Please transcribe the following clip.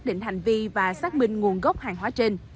đi và xác minh nguồn gốc hàng hóa trên